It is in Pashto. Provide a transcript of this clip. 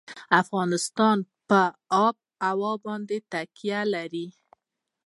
افغانستان په آب وهوا باندې تکیه لري.